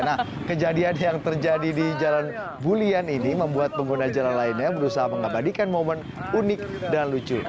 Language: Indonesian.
nah kejadian yang terjadi di jalan bulian ini membuat pengguna jalan lainnya berusaha mengabadikan momen unik dan lucu